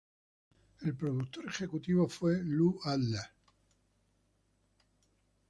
El productor ejecutivo fue Lou Adler.